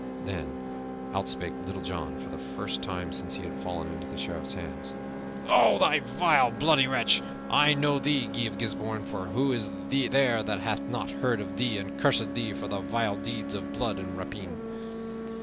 Then out spake Little John, for the first time since he had fallen into the Sheriff's hands. "O thou vile, bloody wretch! I know thee, Guy of Gisbourne, for who is there that hath not heard of thee and cursed thee for thy vile deeds of blood and rapine?